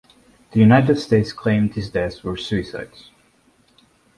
The United States claimed these deaths were suicides.